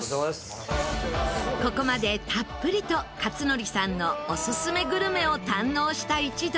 ここまでたっぷりと克典さんのオススメグルメを堪能した一同。